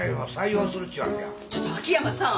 ちょっと秋山さん。